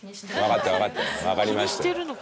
わかりましたよ。